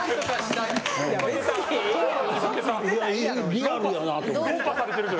リアルやなと。